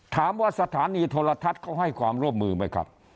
สถานีโทรทัศน์เขาให้ความร่วมมือไหมครับ